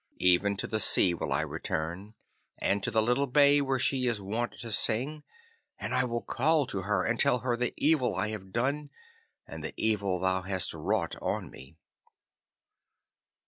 Even to the sea will I return, and to the little bay where she is wont to sing, and I will call to her and tell her the evil I have done and the evil thou hast wrought on me.